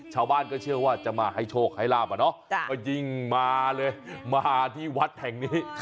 ชาวบ้านก็เชื่อว่าจะมาให้โชคให้ลาบอะเนาะก็ยิ่งมาเลยมาที่วัดแห่งนี้